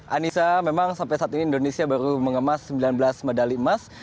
anissa memang sampai saat ini indonesia baru mengemas sembilan belas medali emas